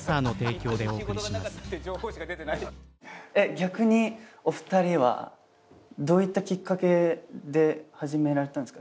逆にお二人はどういったきっかけで始められたんですか？